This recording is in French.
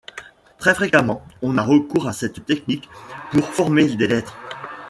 Très fréquemment, on a recours à cette technique pour former des lettres.